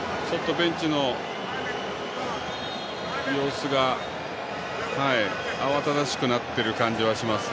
ベンチの様子が慌しくなっている感じがします。